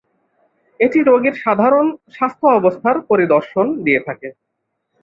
এটি রোগীর সাধারণ স্বাস্থ্য-অবস্থার পরিদর্শন দিয়ে থাকে।